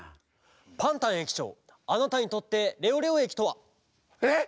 パンタンえきちょうあなたにとってレオレオえきとは！？えっ！？